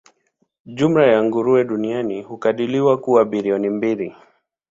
Jumla ya nguruwe duniani hukadiriwa kuwa bilioni mbili.